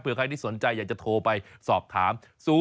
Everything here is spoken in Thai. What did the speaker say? เผื่อใครที่สนใจอยากจะโทรไปสอบถาม๐๘๕๖๕๒๒๔๓๓